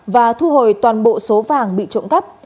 và thu hồi toàn bộ số vàng bị trộm cắp